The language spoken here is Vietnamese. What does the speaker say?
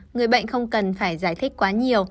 người bệnh không cần phải giải thích quá nhiều